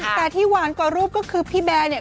แต่ที่หวานกว่ารูปก็คือพี่แบร์เนี่ย